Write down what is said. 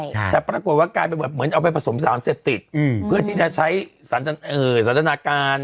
แต่ปรากฏว่ากลายเป็นแบบเหมือนเอาไปผสมสารเสพติดเพื่อที่จะใช้สันทนาการ